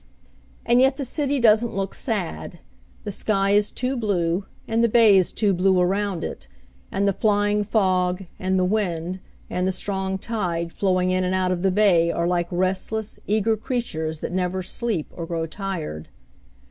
And yet the city doesn't look sad. The sky is too blue, and the bay is too blue around it; and the flying fog, and the wind, and the strong tide flowing in and out of the bay are like restless, eager creatures that never sleep or grow tired.